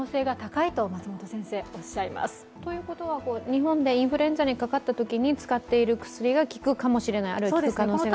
日本でインフルエンザにかかったときに使っている薬が効くかもしれない、あるいは効く可能性が高いと。